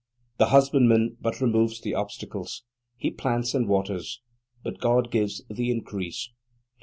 The husbandman but removes the obstacles. He plants and waters, but God gives the increase.